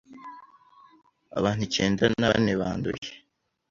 abantu icyenda nabane banduye